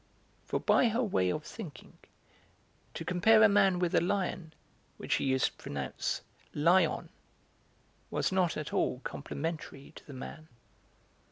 For by her way of thinking, to compare a man with a lion, which she used to pronounce 'lie on,' was not at all complimentary to the man.